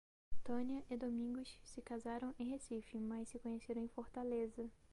Tânia e Domingos se casaram em Recife, mas se conheceram em Fortaleza.